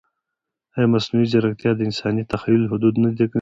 ایا مصنوعي ځیرکتیا د انساني تخیل حدود نه تنګوي؟